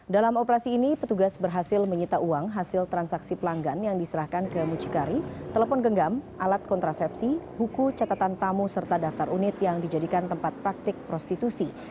dalam operasi ini petugas berhasil menyita uang hasil transaksi pelanggan yang diserahkan ke mucikari telepon genggam alat kontrasepsi buku catatan tamu serta daftar unit yang dijadikan tempat praktik prostitusi